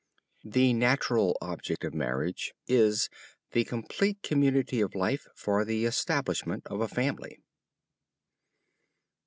The natural object of marriage is the complete community of life for the establishment of a family.